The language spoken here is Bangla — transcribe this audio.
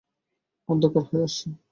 অন্ধকার হয়ে আসছে।